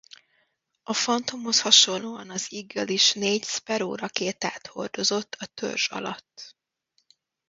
A Phantomhoz hasonlóan az Eagle is négy Sparrow rakétát hordozott a törzs alatt.